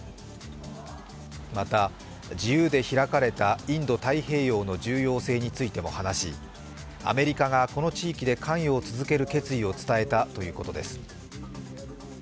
また自由で開かれたインド太平洋の重要性についても話しアメリカがこの地域で関与を続ける決意を伝えたということです。